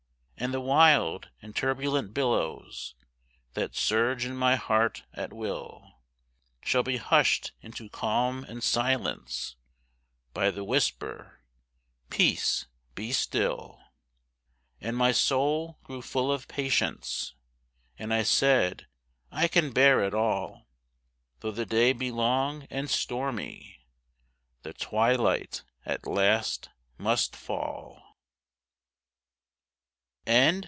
And the wild and turbulent billows, That surge in my heart at will, Shall be hushed into calm and silence By the whisper, 'Peace be still.' And my soul grew full of patience, And I said, 'I can bear it all, Though the day be long and stormy, The twilight at last must fall.'